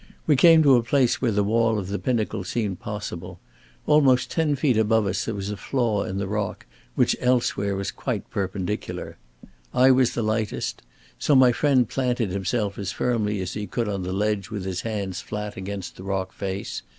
We came to a place where the wall of the pinnacle seemed possible. Almost ten feet above us, there was a flaw in the rock which elsewhere was quite perpendicular. I was the lightest. So my friend planted himself as firmly as he could on the ledge with his hands flat against the rock face.